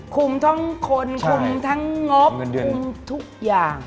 ทั้งคนคุมทั้งงบคุมทุกอย่าง